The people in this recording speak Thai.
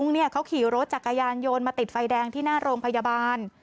มันโยนมาติดไฟแดงที่หน้าโรงพยาบาล